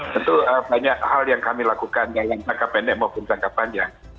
tentu banyak hal yang kami lakukan dalam jangka pendek maupun jangka panjang